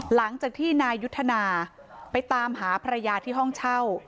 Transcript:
หลังจากที่นายยุทธนาไปตามหาภรรยาที่ห้องเช่า